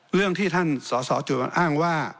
เรื่องที่ท่านสสจวดอ้างว่า